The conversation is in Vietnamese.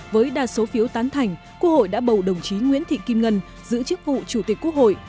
với đa số phiếu tán thành quốc hội đã bầu đồng chí nguyễn thị kim ngân giữ chức vụ chủ tịch quốc hội